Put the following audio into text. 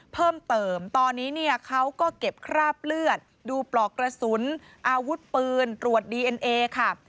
เพิ่มเติมตอนนี้เนี่ยเขาก็เก็บคราบเลือดดูปลอกกระสุนอาวุธปืนตรวจดีเอ็นเอค่ะ